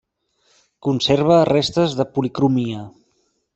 Conserva restes de policromia.